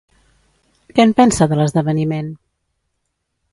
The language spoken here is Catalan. Què en pensa de l'esdeveniment?